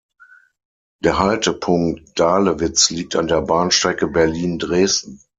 Der Haltepunkt Dahlewitz liegt an der Bahnstrecke Berlin–Dresden.